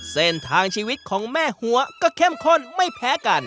เส้นทางชีวิตของแม่หัวก็เข้มข้นไม่แพ้กัน